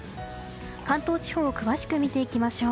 関東地方を詳しく見ていきましょう。